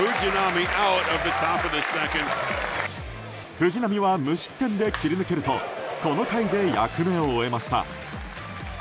藤浪は無失点で切り抜けるとこの回で役目を終えました。